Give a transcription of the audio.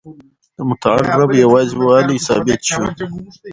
د متعال رب یوازي والی ثابت سو.